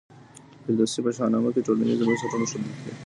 فردوسي په شاهنامه کي ټولنیز بنسټونه ښودلي دي.